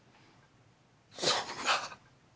そんな。